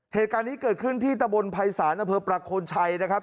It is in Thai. เหตุการณ์นี้เกิดขึ้นที่ตะบนภัยศาลอำเภอประโคนชัยนะครับ